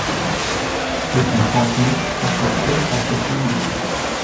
C'est un canton consacré à Poséidon.